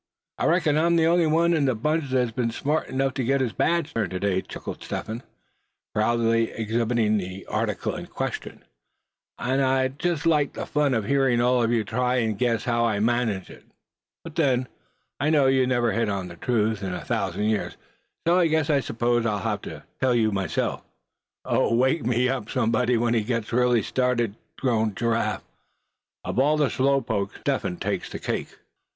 "I reckon I'm the only one in the bunch that's been smart enough to get his badge turned to day," chuckled Step Hen, proudly exhibiting the article in question; "and I'd just like the fun of hearing all of you try and guess how I managed it; but then, I know you'd never hit on the truth in a thousand years; and so I s'pose I'll have to up and tell you." "Oh! wake me up, somebody, when he gets really started," groaned Giraffe; "of all the slow pokes, Step Hen takes the cake."